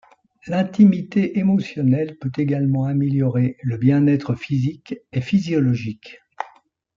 L'intimité émotionnelle peut également améliorer le bien-être physique et physiologique.